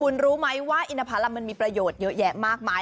คุณรู้ไหมว่าอินทภารัมมันมีประโยชน์เยอะแยะมากมาย